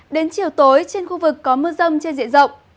đến chiều tối trên khu vực có mưa rông trên diện rộng